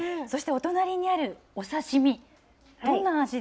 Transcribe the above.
そしてお隣にあるお刺身。